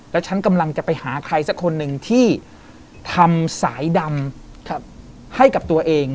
แล้วฉันกำลังจะไปหาใครสักคนหนึ่งที่ทำสายดำให้กับตัวเอง